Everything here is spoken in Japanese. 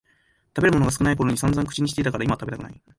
食べるものが少ないころにさんざん口にしてたから今は食べたくない